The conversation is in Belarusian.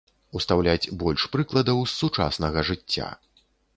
Устаўляць больш прыкладаў з сучаснага жыцця.